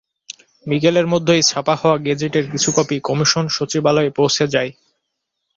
বিকেলের মধ্যেই ছাপা হওয়া গেজেটের কিছু কপি কমিশন সচিবালয়ে পৌঁছে যায়।